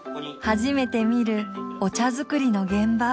初めて見るお茶づくりの現場。